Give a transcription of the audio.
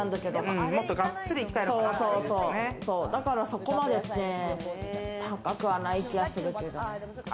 そこまで高くはない気はするけどね。